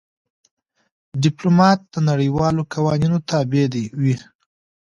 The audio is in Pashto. ډيپلومات د نړیوالو قوانینو تابع وي.